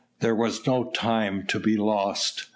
There was no time to be lost.